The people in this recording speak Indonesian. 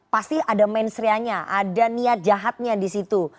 pasti ada mensrianya ada niat jahatnya di situ